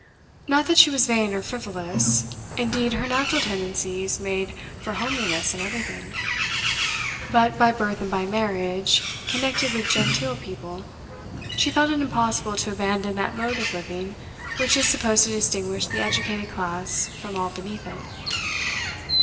Not that she was vain or frivolous indeed her natural tendencies made for homeliness in everything but, by birth and by marriage connected with genteel people, she felt it impossible to abandon that mode of living which is supposed to distinguish the educated class from all beneath it.